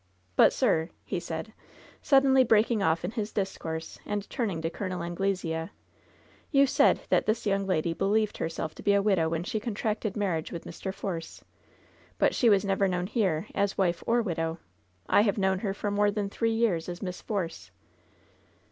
But, sir, he said, suddenly breaking off in his discourse and turning to Col. Anglesea, "you said that this young lady believed herself to be a widow when she contracted marriage with Mr. Force. But she was never known here as wife or widow. I have known her for more than three years as Miss Force.